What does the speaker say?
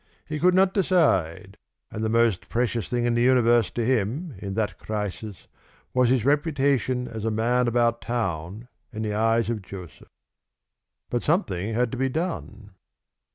He could not decide, and the most precious thing in the universe to him in that crisis was his reputation as a man about town in the eyes of Joseph. But something had to be done.